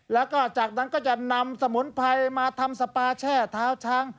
แล้วก็จากนั้นก็จะนำสมุนไพรมาทำสปาแช่เท้าช้าง